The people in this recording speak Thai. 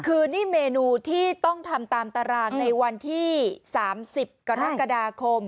คือนี่เมนูที่ต้องทำตามตารางในวันที่๓๐กรกฎาคม